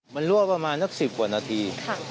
มันรั่วประมาณสัก๑๐กว่านาที